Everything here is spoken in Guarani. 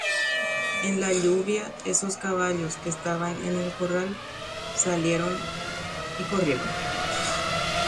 Tuicha oky aja umi kavaju oĩva'ekue korapýpe osẽ ha oñani.